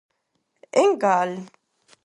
¿En cal?